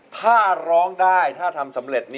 ถ้าร้องได้ถ้าทำสำเร็จ